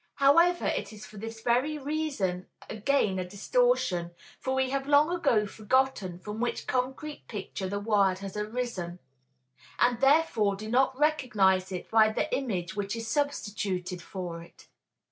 However, it is for this very reason again a distortion, for we have long ago forgotten from which concrete picture the word has arisen, and therefore do not recognize it by the image which is substituted for it.